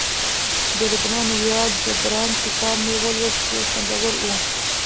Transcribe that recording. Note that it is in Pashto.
د لبنان ویاړ جبران کتاب مې ولوست ډیر خوندور وو